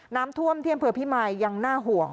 น้ำท่วมที่อำเภอพิมายยังน่าห่วง